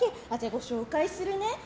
ご紹介するね。